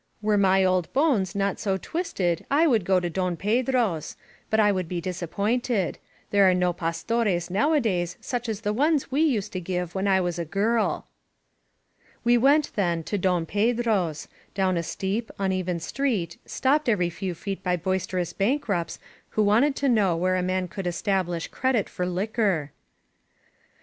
Were my old bones not so twisted I would go to Don Pedro's. But I would be disappointed. There are no Pastores now adays such as the ones we used to give when I was a girl." We went, then, to Don Pedro's, down a steep, un even street, stopped every few feet by boisterous bank rupts who wanted to know where a man could estab lish credit for liquor.